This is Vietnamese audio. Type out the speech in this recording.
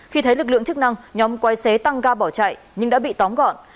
khi thấy lực lượng chức năng nhóm quay xế tăng ga bỏ chạy nhưng đã bị tóm gọn